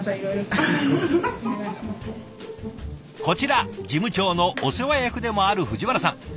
こちら事務長のお世話役でもある藤原さん。